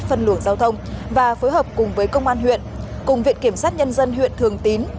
phân luồng giao thông và phối hợp cùng với công an huyện cùng viện kiểm sát nhân dân huyện thường tín